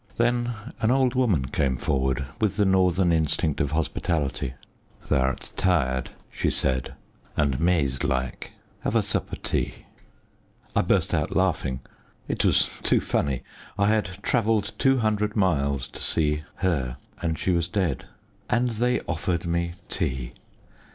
Then an old woman came forward with the northern instinct of hospitality. "Thou'rt tired," she said, "and mazed like. Have a sup o' tea." I burst out laughing. It was too funny. I had travelled two hundred miles to see her; and she was dead, and they offered me tea.